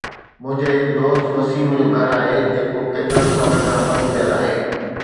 منهنجي هڪ دوست وسيم جو گهر آهي، جيڪو ڪيترن سالن کان بند پيل آهي.